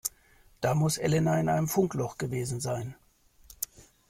Da muss Elena in einem Funkloch gewesen sein.